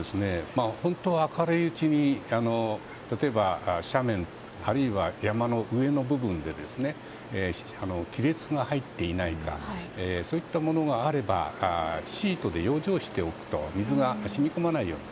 本当は明るいうちに例えば、斜面あるいは山の上の部分で亀裂が入っていないかそういったものがあればシートで養生しておくと水が染み込まないように。